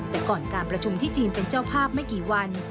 แต่ก่อนการประชุมที่จีนเป็นเจ้าภาพไม่กี่วัน